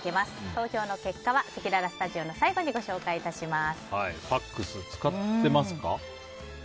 投票の結果はせきららスタジオの最後にＦＡＸ、使ってますか？